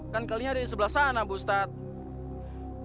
kan kalian ada di sebelah sana bu ustadz